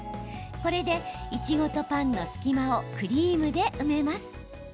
これで、いちごとパンの隙間をクリームで埋めます。